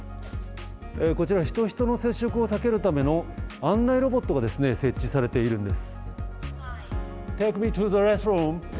こちら、人と人との接触を避けるための案内ロボットが設置されているんです。